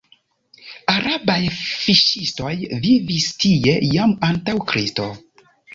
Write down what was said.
Arabaj fiŝistoj vivis tie jam antaŭ Kristo.